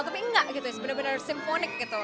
tapi enggak gitu benar benar simfonik gitu